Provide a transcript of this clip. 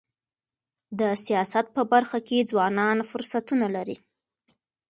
د سیاست په برخه کي ځوانان فرصتونه لري.